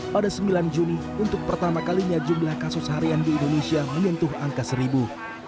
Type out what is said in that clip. pada sembilan juni untuk pertama kalinya jumlah kasus harian di indonesia menyentuh angka seribu